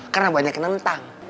karena banyak nentang